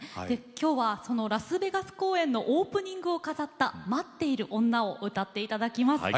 今日はそのラスベガス公演のオープニングを飾った「待っている女」を歌って頂きます。